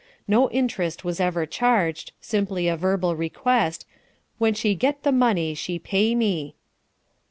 No interest was ever charged, simply a verbal request, 'when she get the money she pay me.'